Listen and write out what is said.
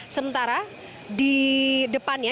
sementara di depan ya